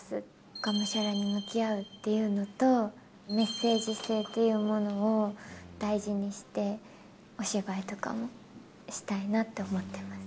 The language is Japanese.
がむしゃらに向き合うっていうのと、メッセージ性というものを大事にして、お芝居とかもしたいなと思ってます。